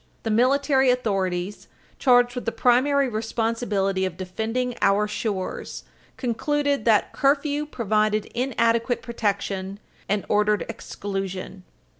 The military authorities, charged with the primary responsibility of defending our shores, concluded that curfew provided inadequate protection and ordered exclusion.